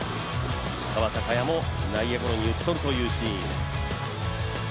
石川昂弥も内野ゴロに打ち取るというシーン。